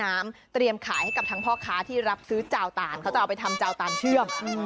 เตรียมขายให้กับทั้งพ่อค้าที่รับซื้อจาวตานเขาจะเอาไปทำจาวตานเชื่อม